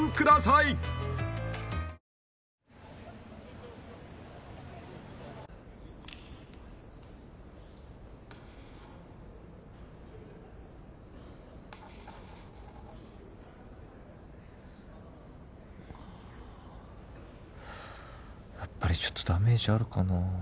やっぱりちょっとダメージあるかなぁ。